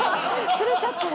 ズレちゃってる。